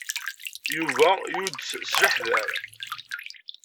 Yuba yudes s leḥder.